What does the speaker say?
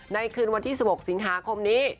ในคืนวันที่๑๖สิงหาคมนี้